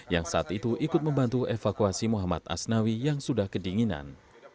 yang saat itu ikut membantu evakuasi muhammad asnawi yang sudah kedinginan